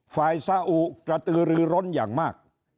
ฝ่ายสาอุประตืดริร้นอย่างมาก